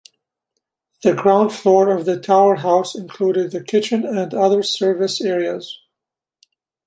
The ground floor of the tower-house included the kitchen and other service areas.